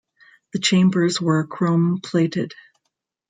The chambers were chrome-plated.